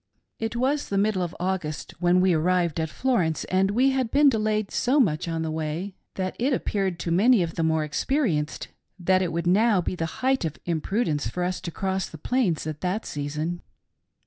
"lit was the middle of August when we arrived at Florence, and we had been delayed so much on the way that it appeared •to many of the more experienced that it would now be, the height of imprudence for us to cross the Plains at that season.